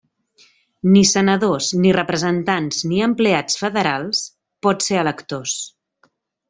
Ni senadors, ni representants, ni empleats federals pot ser electors.